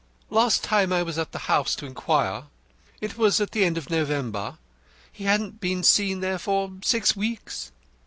Last time I was at the house to inquire it was at the end of November he hadn't been seen there for six weeks.